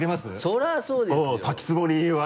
そりゃあそうですよ。